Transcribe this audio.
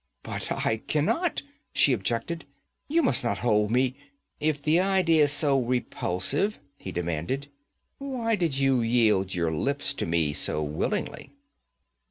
'But I can not!' she objected. 'You must not hold me ' 'If the idea's so repulsive,' he demanded, 'why did you yield your lips to me so willingly?'